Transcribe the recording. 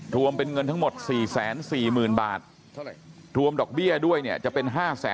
รวมเป็นเงินทั้งหมด๔๔๐๐๐บาทรวมดอกเบี้ยด้วยเนี่ยจะเป็น๕๐๐๐